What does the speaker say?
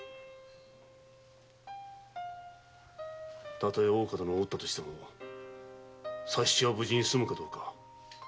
たとえ大岡殿を討ったにしても佐七が無事に済むかどうか。